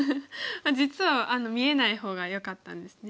実は見えない方がよかったんですね。